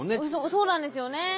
そうなんですよね。